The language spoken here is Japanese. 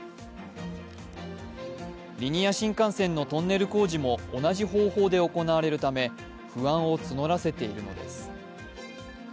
リニア新幹線のトンネル工事も同じ方法で行われるため不安を募らせているのです。